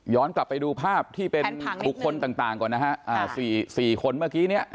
กลับไปดูภาพที่เป็นบุคคลต่างก่อนนะฮะ๔คนเมื่อกี้เนี่ย